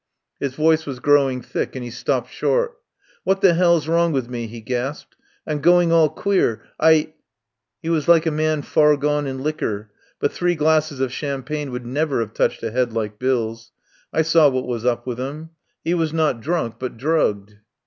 His voice was growing thick and he stopped short. "What the 'ell's wrong with me?" he gasped. "I'm goin' all queer. I ..." He was like a man far gone in liquor, but three glasses of champagne would never have touched a head like Bill's. I saw what was up with him. He was not drunk, but drugged.